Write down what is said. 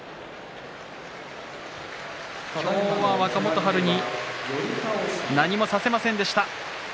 今日は若元春に何もさせませんでした。